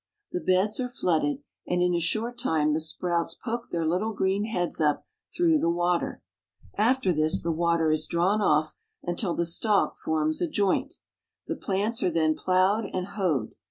The beds are flooded, and in a short time the sprouts poke their little green heads up through the water. After this the water is drawn off until the stalk forms a joint. The plants are then plowed and hoed.